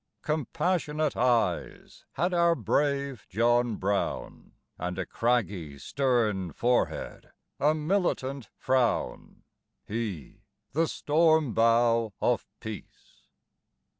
COMPASSIONATE eyes had our brave John Brown, And a craggy stern forehead, a militant frown; He, the storm bow of peace.